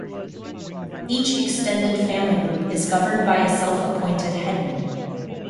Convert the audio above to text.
Each extended family group is governed by a self-appointed "headman".